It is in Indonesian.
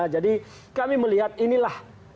jadi kami melihat inilah